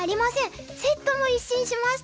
セットも一新しました！